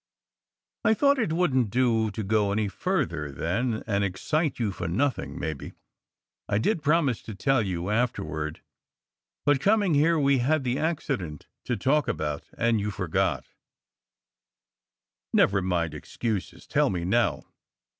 "I thought it wouldn t do to go further, then, and excite you for nothing, maybe. I did promise to tell you after ward, but coming here we had the accident to talk about, and you forgot " "Never mind excuses. Tell me now.